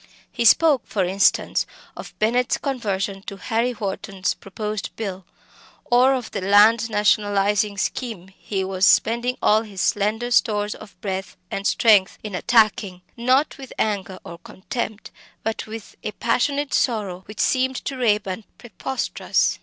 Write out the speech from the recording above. He spoke, for instance, of Bennett's conversion to Harry Wharton's proposed bill, or of the land nationalising scheme he was spending all his slender stores of breath and strength in attacking, not with anger or contempt, but with, a passionate sorrow which seemed to Raeburn preposterous!